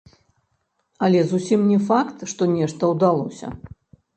Але зусім не факт, што нешта ўдалося.